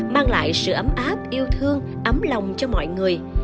mang lại sự ấm áp yêu thương ấm lòng cho mọi người